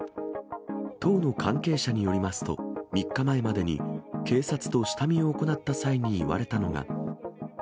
党の関係者によりますと、３日前までに警察と下見を行った際に言われたのが。